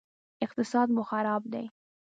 اقتصاد مو خراب دی